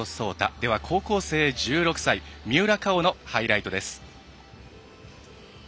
では高校生、１６歳三浦佳生のハイライトです。